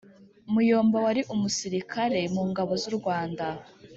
muyomba wari umusirikare mungabo zu rwanda